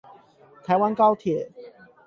台灣高鐵